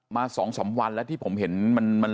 มา๒๓วันแล้วที่ผมเห็น